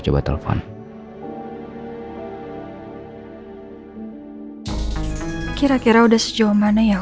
kita selalu bercinta